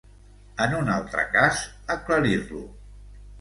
En un altre cas, aclarir-lo.